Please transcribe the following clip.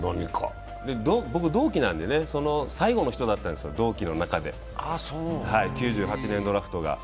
僕、同期なんで、その最後の人だったんですよ、同期の中で９８年ドラフトが。